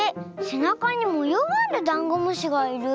せなかにもようがあるダンゴムシがいる。